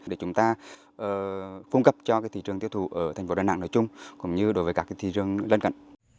để chúng ta phung cấp cho cái thị trường tiêu thụ ở thành phố đà nẵng nói chung cũng như đối với các cái thị trường lân cận